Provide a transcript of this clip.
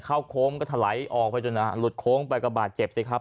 โค้งก็ถลายออกไปจนฮะหลุดโค้งไปก็บาดเจ็บสิครับ